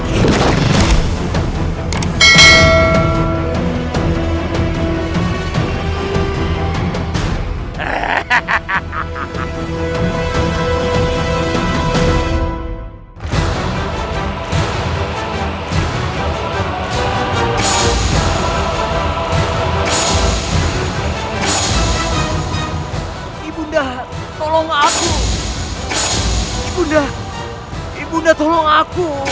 ibu dahat ibu dahat tolong aku